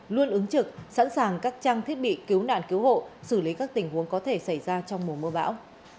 luôn ứng trực sẵn sàng các trang thiết bị cứu nạn cứu hộ xử lý các tình huống có thể xảy ra trong mùa mưa bão